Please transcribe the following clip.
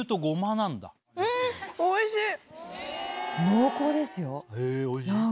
うん！へおいしい？